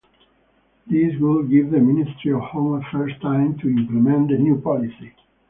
This would give the Ministry of Home Affairs time to implement the new policy.